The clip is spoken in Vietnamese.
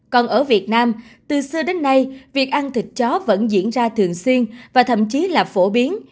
còn ở việt nam từ xưa đến nay việc ăn thịt chó vẫn diễn ra thường xuyên và thậm chí là phổ biến